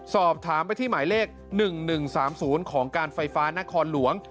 สอบถามไปที่หมายเลข๑๑๓๐ของการไฟฟ้านครหลวง